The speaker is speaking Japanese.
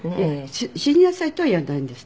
「死になさい」とは言わないんです。